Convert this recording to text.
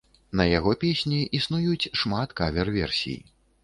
На яго песні існуюць шмат кавер-версій.